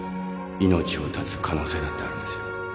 命を絶つ可能性だってあるんですよ